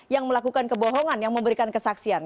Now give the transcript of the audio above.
yang melakukan kebohongan yang memberikan kesaksian